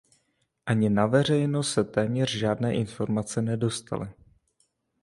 Ani na veřejnost se téměř žádné informace nedostaly.